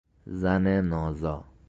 زن نازا